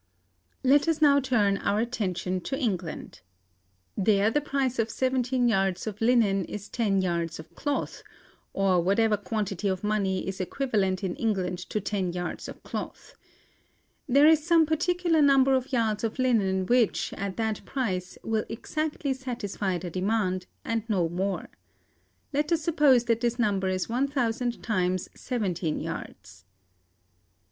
"Let us now turn our attention to England. There the price of seventeen yards of linen is ten yards of cloth, or whatever quantity of money is equivalent in England to ten yards of cloth. There is some particular number of yards of linen which, at that price, will exactly satisfy the demand, and no more. Let us suppose that this number is 1,000 times seventeen yards.